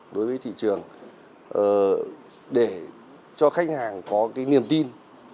đối với thị trường để cho khách hàng có cái niềm tin